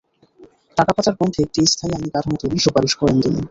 টাকা পাচার বন্ধে একটি স্থায়ী আইনি কাঠামো তৈরির সুপারিশ করেন তিনি।